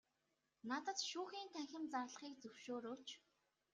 Надад шүүхийн танхим зарлахыг зөвшөөрөөч.